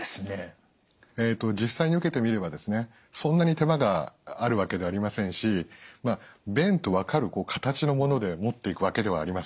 実際に受けてみればそんなに手間があるわけではありませんし便と分かる形のもので持っていくわけではありません。